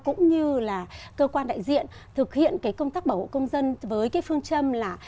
cũng như là cơ quan đại diện thực hiện công tác bảo hộ công dân với phương châm là